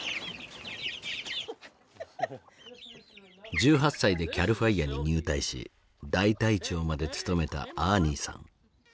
１８歳でＣＡＬＦＩＲＥに入隊し大隊長まで務めたアーニーさん。